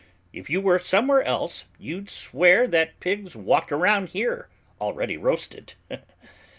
If you were somewhere else, you'd swear that pigs walked around here already roasted.